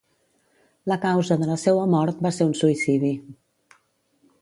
La causa de la seua mort va ser un suïcidi.